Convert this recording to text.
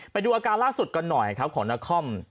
ไปดูอาการล่าสุดกันหน่อยครับของนคร